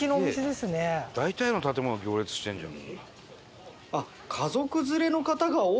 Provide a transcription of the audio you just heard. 大体の建物行列してるじゃん。